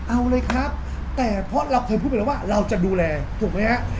เอาเลยครับแต่เพราะเราเคยพูดไปแล้วว่าเราจะดูแลถูกไหมฮะ